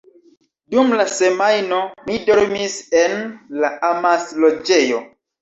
Dum la semajno, mi dormis en la “amas-loĝejo”.